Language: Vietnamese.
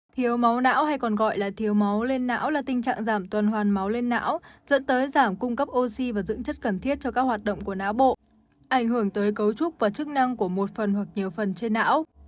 thiếu máu não hay còn gọi là thiếu máu lên não là tình trạng giảm tuần hoàn máu lên não dẫn tới giảm cung cấp oxy và dưỡng chất cần thiết cho các hoạt động của não bộ ảnh hưởng tới cấu trúc và chức năng của một phần hoặc nhiều phần trên não